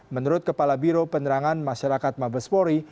menurut kepala biro penerangan masyarakat mabespori